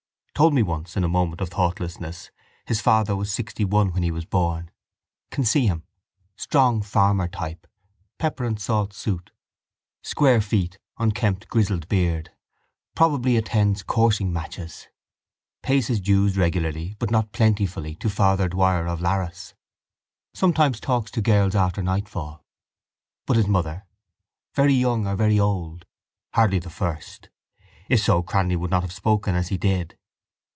Told me once, in a moment of thoughtlessness, his father was sixtyone when he was born. Can see him. Strong farmer type. Pepper and salt suit. Square feet. Unkempt, grizzled beard. Probably attends coursing matches. Pays his dues regularly but not plentifully to Father Dwyer of Larras. Sometimes talks to girls after nightfall. But his mother? Very young or very old? Hardly the first. If so, Cranly would not have spoken as he did.